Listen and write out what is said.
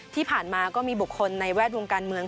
ที่ผ่านมาก็มีบุคคลในแวดวงการเมือง